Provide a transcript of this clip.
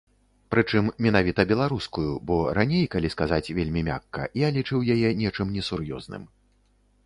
Прычым менавіта беларускую, бо раней, калі сказаць вельмі мякка, я лічыў яе нечым несур'ёзным.